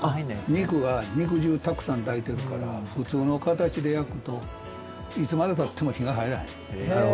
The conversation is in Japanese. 肉が肉汁たくさん抱いてるから普通の形で焼くといつまでたっても火が入らへん。